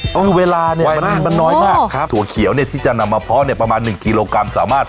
คือเวลาเนี่ยมันน้อยมากครับถั่วเขียวเนี่ยที่จะนำมาเพาะเนี่ยประมาณหนึ่งกิโลกรัมสามารถ